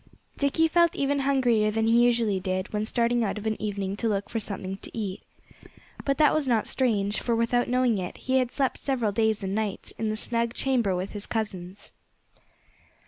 Dickie felt even hungrier than he usually did when starting out of an evening to look for something to eat. But that was not strange, for without knowing it, he had slept several days and nights in the snug chamber with his cousins.